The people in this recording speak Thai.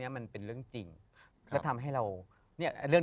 พี่ยังไม่ได้เลิกแต่พี่ยังไม่ได้เลิก